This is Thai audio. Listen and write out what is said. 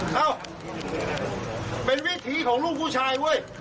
เป็นวิธีของลูกผู้ชาย